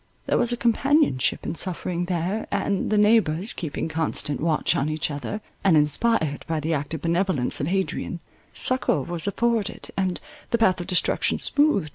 There was a companionship in suffering there, and, the neighbours keeping constant watch on each other, and inspired by the active benevolence of Adrian, succour was afforded, and the path of destruction smoothed.